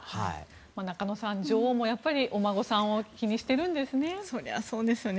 中野さん、女王もやっぱりお孫さんを気にしているんですね。